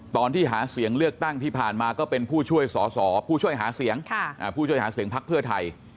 ตอนที่หาเสียงเลือกตั้งที่ผ่านมาก็เป็นผู้ช่วยหาเสียงพรรคเพื่อไทย